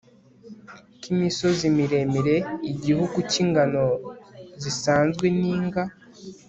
k imisozi miremire igihugu cy ingano zisanzwe n inga